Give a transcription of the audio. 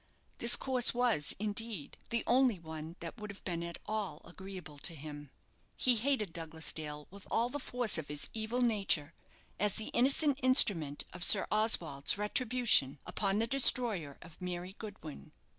This course was, indeed, the only one that would have been at all agreeable to him. He hated Douglas Dale with all the force of his evil nature, as the innocent instrument of Sir Oswald's retribution upon the destroyer of Mary Goodwin.